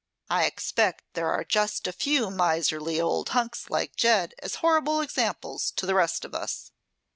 I expect there are just a few miserly old hunks like Ged as horrible examples to the rest of us."